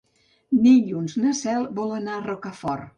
Dilluns na Cel vol anar a Rocafort.